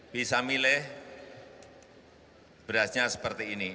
bisa milih berasnya seperti ini